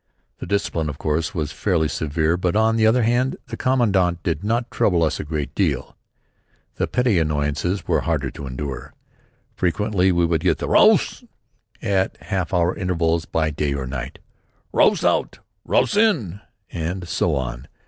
The discipline, of course, was fairly severe, but on the other hand the Commandant did not trouble us a great deal. The petty annoyances were harder to endure. Frequently we would get the "Raus!" at half hour intervals by day or night; "Raus out!" "Raus in!" and so on.